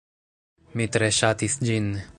Mi tre ŝatis ĝin.